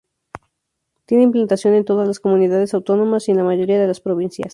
Tiene implantación en todas las comunidades autónomas y en la mayoría de las provincias.